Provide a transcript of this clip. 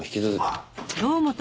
あっ。